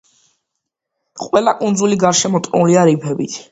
ყველა კუნძული გარშემორტყმულია რიფებით.